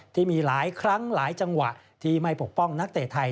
ที่มีหลายครั้งหลายจังหวะที่ไม่ปกป้องนักเตะไทย